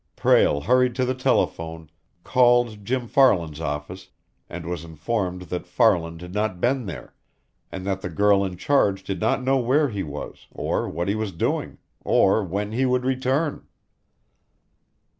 Prale hurried to the telephone, called Jim Farland's office, and was informed that Farland had not been there, and that the girl in charge did not know where he was, or what he was doing, or when he would return.